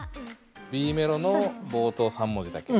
Ｂメロの冒頭３文字だけ。